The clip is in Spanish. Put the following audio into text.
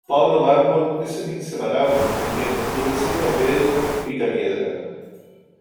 Pablo Mármol es el inseparable compañero y vecino de Pedro Picapiedra.